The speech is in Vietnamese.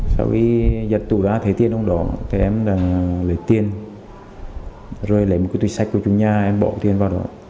sau khi giật tủ ra thấy tiền đông đỏ thì em lấy tiền rồi lấy một cái túi sạch của chúng nhà em bỏ tiền vào đó